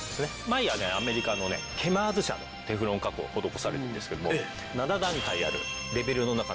マイヤーねアメリカのねケマーズ社でテフロン加工施されてるんですけども７段階あるレベルの中の最高ランクです。